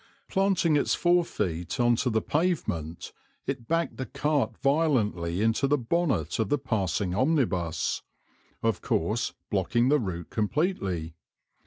Planting its forefeet on to the pavement, it backed the cart violently into the bonnet of the passing omnibus, of course blocking the route completely.